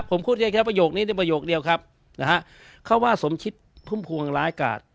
ผมพูดได้แค่ประโยคนี้ในประโยคเดียวครับนะฮะเขาว่าสมคิดพุ่มพวงร้ายกาด